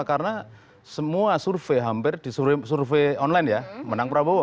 karena semua survei hampir disurvei online ya menang prabowo